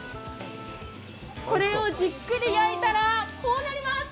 これをじっくり焼いたら、こうなります。